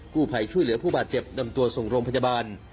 ผู้ภัยช่วยเหลือผู้บาดเจ็บนำตัวส่งโรงพยาบาล